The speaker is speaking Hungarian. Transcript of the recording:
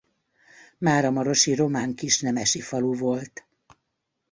Máramarosi román kisnemesi falu volt.